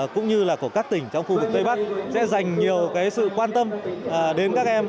cũng như là của các tỉnh trong khu vực tây bắc sẽ dành nhiều sự quan tâm đến các em